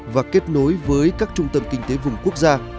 và kết nối với các trung tâm kinh tế vùng quốc gia